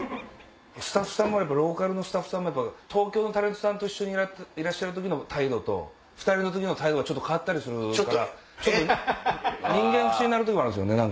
やっぱりローカルのスタッフさんだから東京のタレントさんと一緒にいらっしゃる時の態度と２人の時の態度が変わったりするから人間不信になるところあるんですよね。